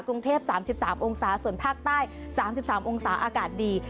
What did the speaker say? กรุงเทพ๓๓องศาส่วนภาคใต้๓๓องศาอากาศดี